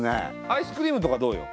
アイスクリームとかどうよ？